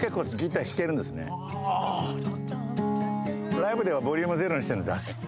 ライブではボリュームゼロにしてるんですよあれ。